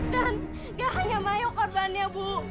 dan gak hanya maya korbannya bu